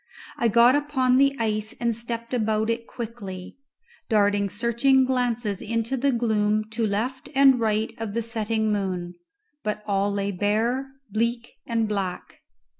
I got upon the ice and stepped about it quickly, darting searching glances into the gloom to left and right of the setting moon; but all lay bare, bleak, and black.